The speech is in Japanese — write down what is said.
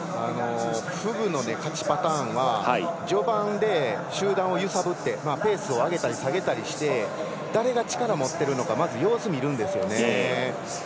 フグの勝ちパターンは序盤で集団を揺さぶってペースを上げたり下げたりして誰が力を持っているのかまず様子を見るんですね。